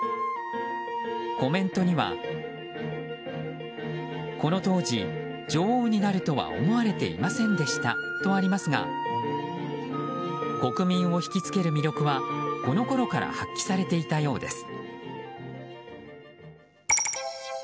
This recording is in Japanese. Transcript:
コメントにはこの当時、女王になるとは思われていませんでしたとありますが国民を引き付ける魅力はこのころから発揮されていたようです。